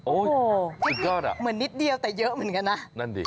โอ้นิดเดียวแต่เยอะเหมือนกันนะ